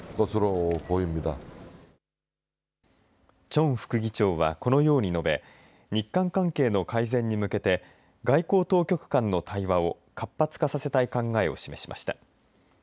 チョン副議長は、このように述べ日韓関係の改善に向けて外交当局間の対話を活発化させたい考えを示しました。